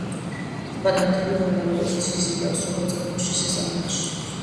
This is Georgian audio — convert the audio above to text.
ტბა და მთები უამრავ ტურისტს იზიდავს, როგორც ზაფხულში, ისე ზამთარში.